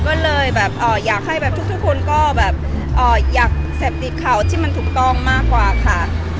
ก็เลยอยากให้ทุกคนก็อยากแสบติดเขาที่มันถูกต้องมากกว่าค่ะ